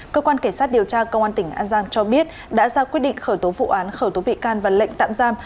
cơ quan cảnh sát điều tra công an tỉnh an giang cho biết đã ra quyết định khởi tố vụ án khởi tố bị can và lệnh tạm giam